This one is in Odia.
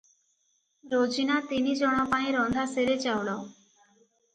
ରୋଜିନା ତିନି ଜଣ ପାଇଁ ରନ୍ଧା ସେରେ ଚାଉଳ ।